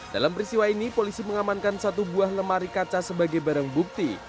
dalam peristiwa ini polisi mengamankan satu buah lemari kaca sebagai barang bukti